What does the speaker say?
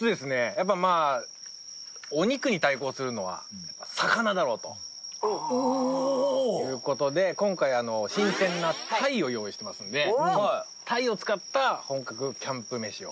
やっぱまあお肉に対抗するのは魚だろうという事で今回新鮮な鯛を用意してますんで鯛を使った本格キャンプ飯を。